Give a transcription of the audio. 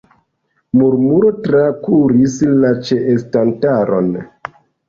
Murmuro trakuris la ĉeestantaron.